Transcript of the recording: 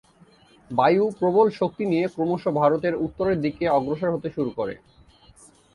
বায়ু প্রবল শক্তি নিয়ে ক্রমশ ভারতের উত্তরের দিকে অগ্রসর হতে শুরু করে।